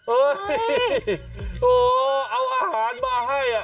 เอ้ยเอาอาหารมาให้